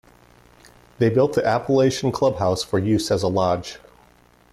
They built the Appalachian Clubhouse for use as a lodge.